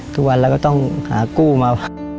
ทุกวันเราก็ต้องหากู้มา